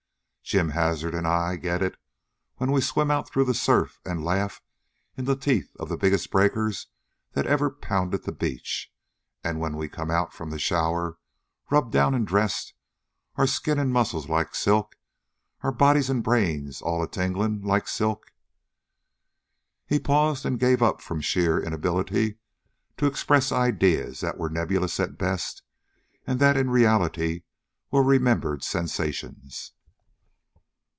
Jim Hazard an' I get it when we swim out through the surf an' laugh in the teeth of the biggest breakers that ever pounded the beach, an' when we come out from the shower, rubbed down and dressed, our skin an' muscles like silk, our bodies an' brains all a tinglin' like silk.. .." He paused and gave up from sheer inability to express ideas that were nebulous at best and that in reality were remembered sensations.